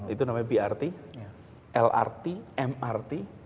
itu namanya brt lrt mrt